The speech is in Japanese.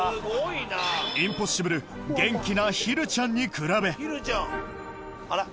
インポッシブル元気なひるちゃんに比べあら？